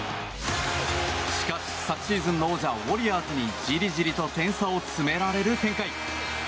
しかし、昨シーズンの王者ウォリアーズにじりじりと点差を詰められる展開。